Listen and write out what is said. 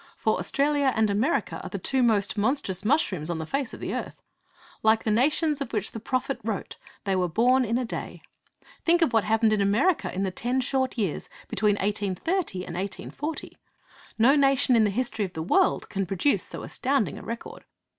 For Australia and America are the two most 'monstrous mushrooms' on the face of the earth! Like the nations of which the prophet wrote, they were 'born in a day.' Think of what happened in America in the ten short years between 1830 and 1840! No nation in the history of the world can produce so astounding a record!